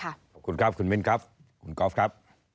ขอบคุณครับคุณมิ้นครับคุณกอล์ฟครับ